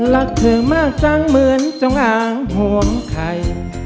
รักเธอมากจังเหมือนจงอางห่วงใคร